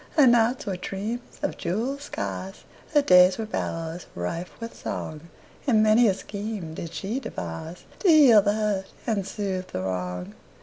Her nights were dreams of jeweled skies, Her days were bowers rife with song, And many a scheme did she deviseTo heal the hurt and soothe the wrong.